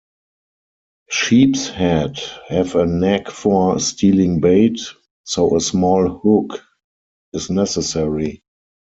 Sheepshead have a knack for stealing bait, so a small hook is necessary.